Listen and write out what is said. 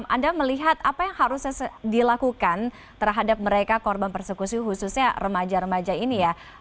anda melihat apa yang harusnya dilakukan terhadap mereka korban persekusi khususnya remaja remaja ini ya